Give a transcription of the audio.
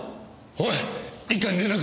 おい一課に連絡。